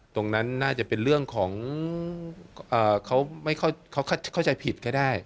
ตรงนั้นน่าจะเป็นเรื่องของเขาเข้าใจผิดก็ได้